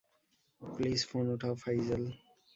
Please phone উঠাও, ফাইজাল।